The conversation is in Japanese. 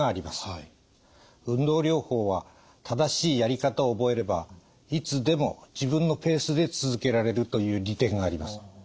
運動療法は正しいやり方を覚えればいつでも自分のペースで続けられるという利点があります。